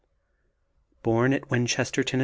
Born at Winchester, Tenn.